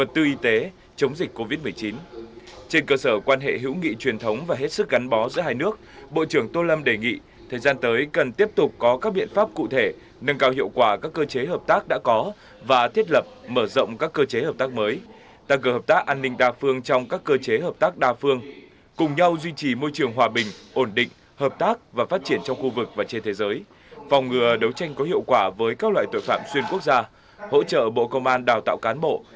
trên cơ sở quan hệ hữu nghị truyền thống và hết sức gắn bó giữa hai nước bộ trưởng tô lâm đề nghị thời gian tới cần tiếp tục có các biện pháp cụ thể nâng cao hiệu quả các cơ chế hợp tác đã có và thiết lập mở rộng các cơ chế hợp tác mới tăng cơ hợp tác an ninh đa phương trong các cơ chế hợp tác đa phương cùng nhau duy trì môi trường hòa bình ổn định hợp tác và phát triển trong khu vực và trên thế giới phòng ngừa đấu tranh có hiệu quả với các loại tội phạm xuyên quốc gia hỗ trợ bộ công an đào tạo cá